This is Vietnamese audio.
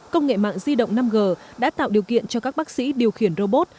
công nghệ mạng di động năm g đã tạo điều kiện cho các bác sĩ điều khiển robot